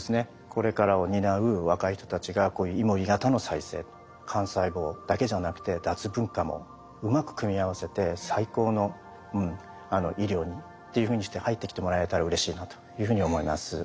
これからを担う若い人たちがこういうイモリ型の再生幹細胞だけじゃなくて脱分化もうまく組み合わせて最高の医療にっていうふうにして入ってきてもらえたらうれしいなというふうに思います。